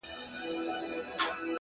مثبت لید فرصتونه پیدا کوي’